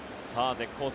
絶好調